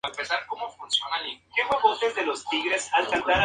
Intentó suicidarse en dos ocasiones.